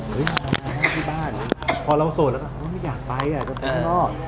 เฮ้ยมาที่บ้านพอเราโสดแล้วก็ไม่อยากไปอะจะไปข้างนอก